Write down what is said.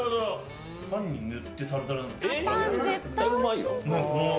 パンに塗って、タルタルを。